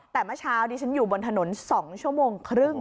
แต่เมื่อเช้าดิฉันอยู่บนถนน๒ชั่วโมงครึ่ง